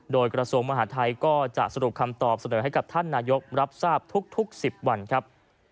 โดยกระทรวงมหาทัยก็จะสรุปคำตอบเสนอให้กับท่านนายกรับทราบทุก๑๐วันครับ